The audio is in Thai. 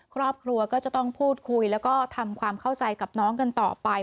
ครอบครัวก็จะต้องพูดคุยแล้วก็ทำความเข้าใจกับน้องกันต่อไป